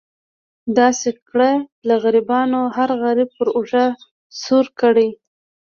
داسې کړه له غریبانو هر غریب پر اوږه سور کړي.